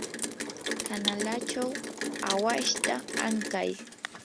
kanalachaw awashta ankay.